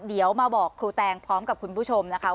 เดี๋ยวมาบอกครูแตงพร้อมกับคุณผู้ชมนะคะ